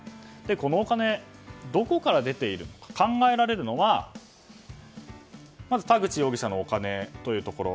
このお金、どこから出ているのか考えられるのはまず、田口容疑者のお金というところ。